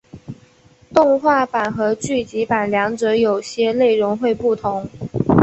动画版和剧集版两者有些内容会不同。